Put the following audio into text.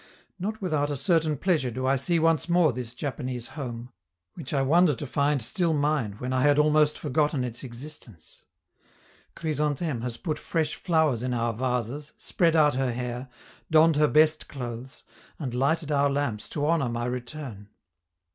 Not without a certain pleasure do I see once more this Japanese home, which I wonder to find still mine when I had almost forgotten its existence. Chrysantheme has put fresh flowers in our vases, spread out her hair, donned her best clothes, and lighted our lamps to honor my return.